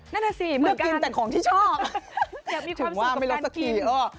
นั่นแหละสิเหมือนกันอยากมีความสุขกับการกินเลือกกินแต่ของที่ชอบ